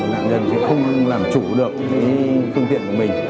nạn nhân không làm chủ được phương tiện của mình